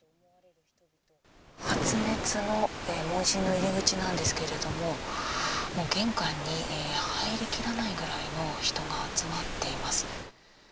発熱の問診の入り口なんですけれども、玄関に入りきらないぐらいの人が集まっています。